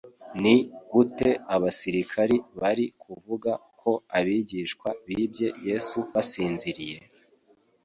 Ni gute abasirikari bari kuvuga ko abigishwa bibye Yesu basinziriye?